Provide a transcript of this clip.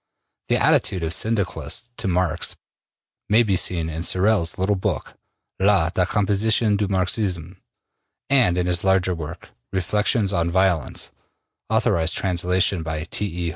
The attitude of Syndicalists to Marx may be seen in Sorel's little book, ``La Decomposition du Marxisme,'' and in his larger work, ``Reflections on Violence,'' authorized translation by T. E.